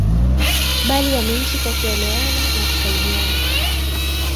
bali wameishi kwa kuelewana na kusaidiana